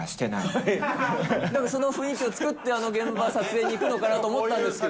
でもその雰囲気を作って現場、あの撮影に行くのかなと思ったんですけど。